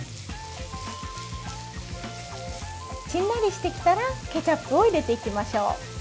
しんなりしてきたらケチャップを入れていきましょう。